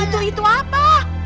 itu itu apa